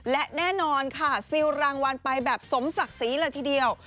และแน่นอนค่ะซิลรางวัลไปแบบสมศักดิ์ศรีเลยทีเดียว